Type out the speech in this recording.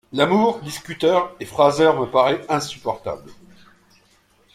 L’amour discuteur et phraseur me paraît insupportable.